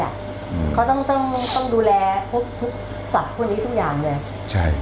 อะเขาต้องต้องต้องดูแลคำทุกสัตว์คนนี้ทุกอย่างเลยตัน